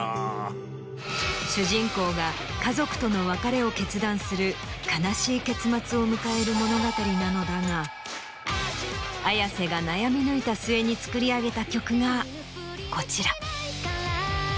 主人公が家族との別れを決断する悲しい結末を迎える物語なのだがＡｙａｓｅが悩み抜いた末に作り上げた曲がこちら。